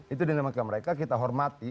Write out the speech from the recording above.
itu dinamika mereka kita hormati